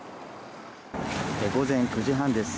午前９時半です。